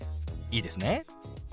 いいですね？